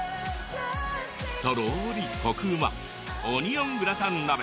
とろーりコクうまオニオングラタン鍋。